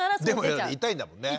でも痛いんだもんね。